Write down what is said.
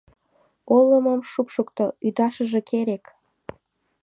Олымым шупшыкто, ӱдашыже керек...